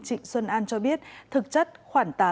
trịnh xuân an cho biết thực chất khoảng tám